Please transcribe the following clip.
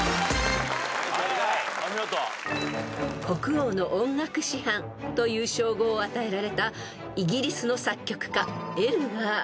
［国王の音楽師範という称号を与えられたイギリスの作曲家］